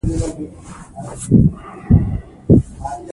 افغانان به بری ومومي.